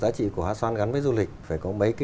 giá trị của hát xoan gắn với du lịch phải có mấy cái